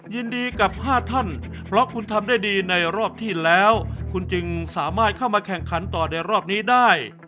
ยินดีกับ๕ท่านเพราะคุณทำได้ดีในรอบที่แล้วคุณจึงสามารถเข้ามาแข่งขันต่อในรอบนี้ได้